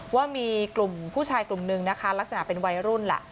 ว่ามีกลุ่มผู้ชายกลุ่มนึงนะคะลักษณะเป็นวัยรุ่นแหละ